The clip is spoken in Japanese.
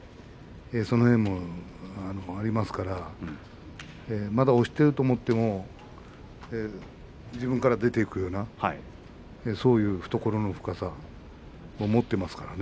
その辺もありますからまだ押していると思っても自分から出ていくようなそういう懐の深さを持っていますからね。